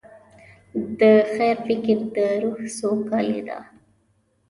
د خیر فکر د روح سوکالي ده.